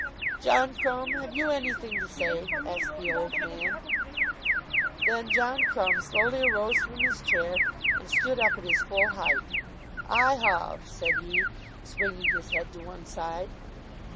"John Crumb, have you anything to say?" asked the old man. Then John Crumb slowly arose from his chair, and stood up at his full height. "I hove," said he, swinging his head to one side.